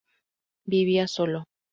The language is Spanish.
Vivía solo.